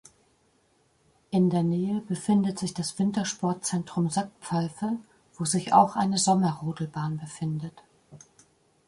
In der Nähe befindet sich das Wintersportzentrum Sackpfeife, wo sich auch eine Sommerrodelbahn befindet.